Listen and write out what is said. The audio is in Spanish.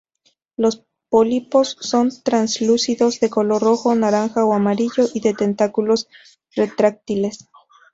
Los pólipos son translúcidos, de color rojo, naranja o amarillo, y de tentáculos retráctiles.